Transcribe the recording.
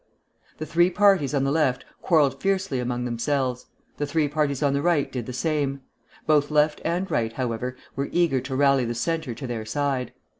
The three parties on the Left quarrelled fiercely among themselves; the three parties on the Right did the same. Both Left and Right, however, were eager to rally the Centre to their side.